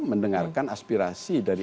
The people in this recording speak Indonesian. mendengarkan aspirasi dari